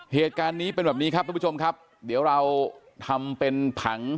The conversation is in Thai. เหตุการณ์นี้เป็นแบบนี้ครับทุกผู้ชมครับเดี๋ยวเราทำเป็นผัง